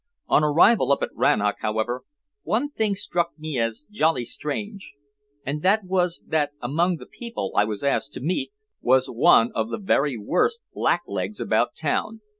On arrival up at Rannoch, however, one thing struck me as jolly strange, and that was that among the people I was asked to meet was one of the very worst blacklegs about town.